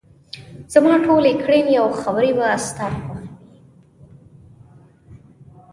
زما ټولې کړنې او خبرې به ستا خوښې وي.